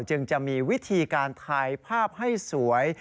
จึงจะมีวิธีการถ่ายภาพให้สวย